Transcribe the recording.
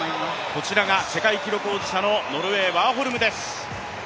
こちらが世界記録保持者のノルウェー、ワーホルムです！